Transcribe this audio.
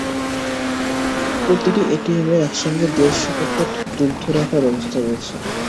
প্রতিটি এটিএমে একসঙ্গে দেড় শ প্যাকেট দুগ্ধ রাখার ব্যবস্থা রয়েছে।